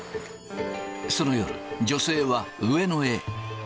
その夜、女性は上野へ。